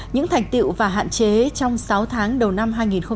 những thành tiệu và hạn chế trong sáu tháng đầu năm hai nghìn một mươi tám